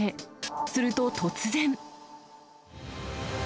すると突然。